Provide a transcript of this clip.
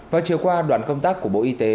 vào chiều qua đoàn công tác của bộ y tế